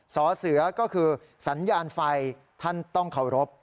สอเสือก็คือสัญญาณไฟท่านต้องเคารพ